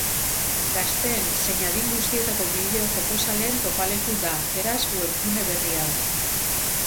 Gazteen zein adin guztietako bideo-jokozaleen topaleku da, beraz, webgune berri hau.